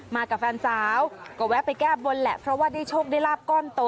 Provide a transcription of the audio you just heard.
มากับแฟนสาวก็แวะไปแก้บนแหละเพราะว่าได้โชคได้ลาบก้อนโต